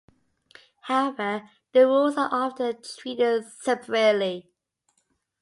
However, the rules are often treated separately.